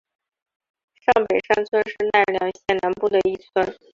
上北山村是奈良县南部的一村。